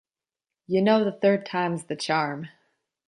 You know the third time's the charm.